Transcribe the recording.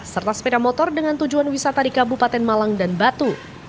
serta sepeda motor dengan tujuan wisata di kabupaten malang dan batu